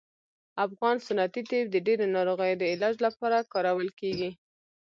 افغان سنتي طب د ډیرو ناروغیو د علاج لپاره کارول کیږي